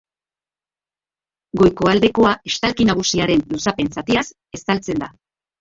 Goiko aldekoa estalki nagusiaren luzapen-zatiaz estaltzen da.